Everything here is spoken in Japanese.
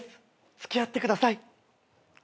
付き合ってください。